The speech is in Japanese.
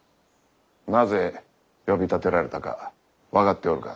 なぜ呼びたてられたか分かっておるか？